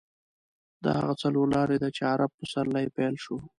دا هغه څلور لارې ده چې عرب پسرلی پیل شو.